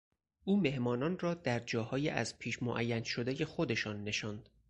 او مهمانان را در جاهای از پیش معین شدهی خودشان نشاند.